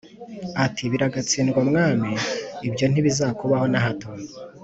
ati “Biragatsindwa Mwami, ibyo ntibizakubaho na hato.